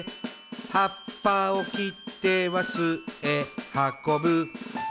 「葉っぱを切っては巣へはこぶ」